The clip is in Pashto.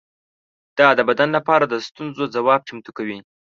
دا د بدن لپاره د ستونزو ځواب چمتو کوي.